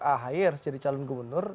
ahy harus jadi calon gubernur